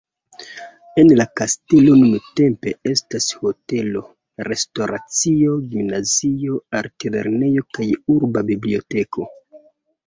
En la kastelo nuntempe estas hotelo, restoracio, gimnazio, artlernejo kaj urba biblioteko.